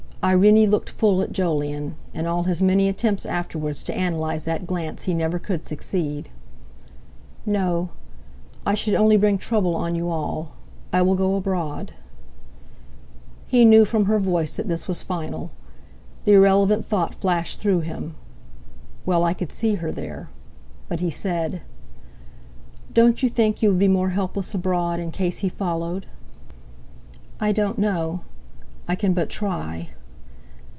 Irene looked full at Jolyon—in all his many attempts afterwards to analyze that glance he never could succeed. "No! I should only bring trouble on you all. I will go abroad." He knew from her voice that this was final. The irrelevant thought flashed through him: "Well, I could see her there." But he said: "Don't you think you would be more helpless abroad, in case he followed?" "I don't know. I can but try."